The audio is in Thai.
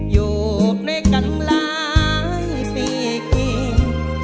อยู่ในกังหลายปีกิ่ง